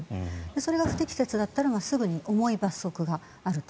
それが不適切だったら重い罰則があると。